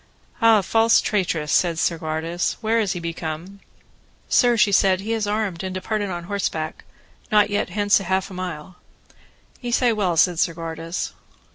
Ah, false traitress, said Segwarides, where is he become? Sir, she said, he is armed, and departed on horseback, not yet hence half a mile. Ye say well, said Segwarides.